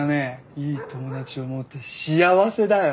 いい友達をもって幸せだよ。